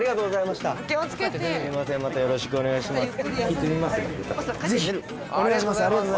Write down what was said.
またよろしくお願いします